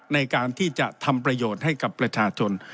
ในการที่จะทำประโยชน์ให้กับประชาชน